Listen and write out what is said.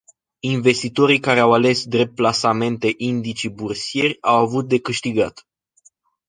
Investitorii care au ales drept plasamente indicii bursieri, au avut de câștigat.